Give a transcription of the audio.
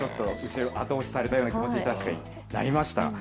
後押しされたような気持ちになりました。